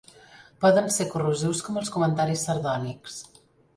Poden ser corrosius com els comentaris sardònics.